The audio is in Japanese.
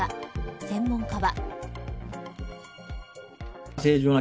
専門家は。